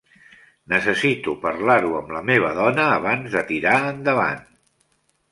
Necessito parlar-ho amb la meva dona abans de tirar endavant.